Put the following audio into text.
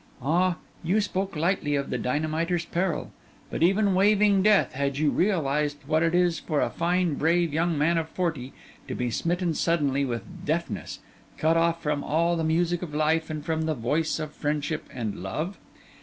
Ah, you spoke lightly of the dynamiter's peril; but even waiving death, have you realised what it is for a fine, brave young man of forty, to be smitten suddenly with deafness, cut off from all the music of life, and from the voice of friendship, and love?